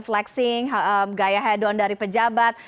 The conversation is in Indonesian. flexing gaya hedon dari pejabat